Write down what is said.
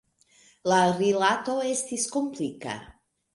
La rilato estis komplika.